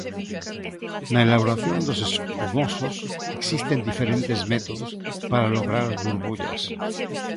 Na elaboración dos escumosos existen diferentes métodos para lograr as burbullas.